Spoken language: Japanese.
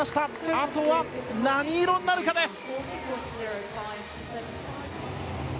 あとは何色になるかです。